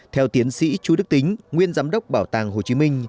theo tiến sĩ chú đức tính nguyên giám đốc bảo tàng hồ chí minh